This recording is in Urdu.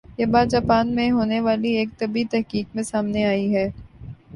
یہ بات جاپان میں ہونے والی ایک طبی تحقیق میں سامنے آئی ہے